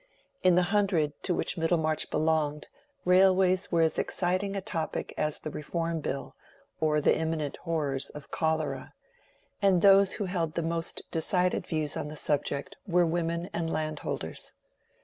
In the hundred to which Middlemarch belonged railways were as exciting a topic as the Reform Bill or the imminent horrors of Cholera, and those who held the most decided views on the subject were women and landholders.